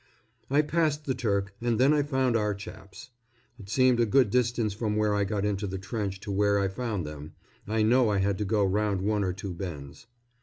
I passed the Turk and then I found our chaps. It seemed a good distance from where I got into the trench to where I found them I know I had to go round one or two bends.